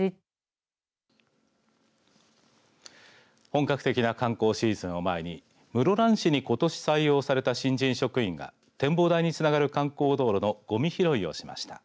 本格的な観光シーズンを前に室蘭市にことし採用された新人職員が展望台につながる観光道路のごみ拾いをしました。